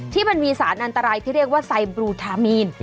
ที่มีสารอันตรายที่เรียกว่าไซบลูทามีน